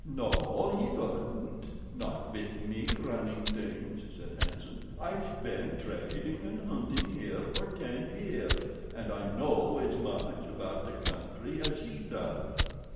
"No, he wouldn't, not with me running things," said Hanson. "I've been trading and hunting here for ten years and I know as much about the country as he does.